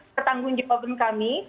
pertanggung jawaban kami